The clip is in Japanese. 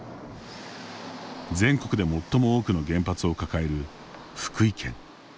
全国で最も多くの原発を抱える福井県。